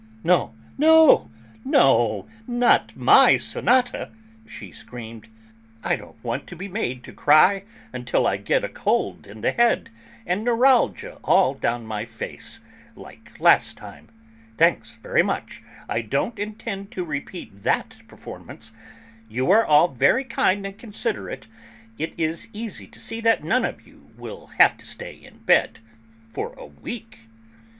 "No, no, no, not my sonata!" she screamed, "I don't want to be made to cry until I get a cold in the head, and neuralgia all down my face, like last time; thanks very much, I don't intend to repeat that performance; you are all very kind and considerate; it is easy to see that none of you will have to stay in bed, for a week."